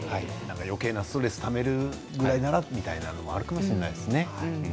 よけいなストレスをためるぐらいならというのもあるかもしれませんね。